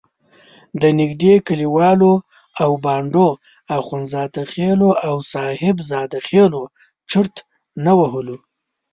د نږدې کلیو او بانډو اخندزاده خېلو او صاحب زاده خېلو چرت نه وهلو.